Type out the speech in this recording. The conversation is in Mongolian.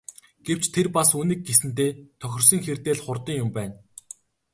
Гэвч тэр бас Үнэг гэсэндээ тохирсон хэрдээ л хурдан юм байна.